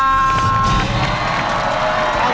ต้องสลิกตัวแรง